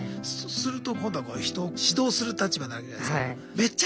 すると今度は人を指導する立場になるわけじゃないですか。